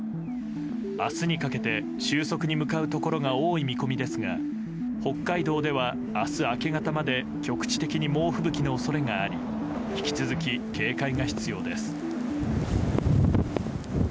明日にかけて収束に向かうところが多い見込みですが北海道では明日明け方まで局地的に猛吹雪の恐れがあり引き続き警戒が必要です。